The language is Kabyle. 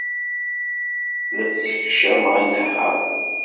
La d-ssekcameɣ inehhaṛen.